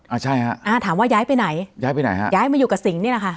อ่าใช่ฮะอ่าถามว่าย้ายไปไหนย้ายไปไหนฮะย้ายมาอยู่กับสิงห์นี่แหละค่ะ